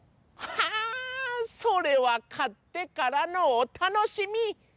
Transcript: はぁそれはかってからのおたのしみ！